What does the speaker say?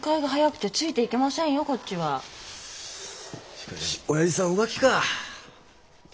しかしおやじさん浮気かあ。